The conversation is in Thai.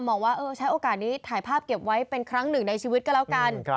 บอกว่าใช้โอกาสนี้ถ่ายภาพเก็บไว้เป็นครั้งหนึ่งในชีวิตก็แล้วกัน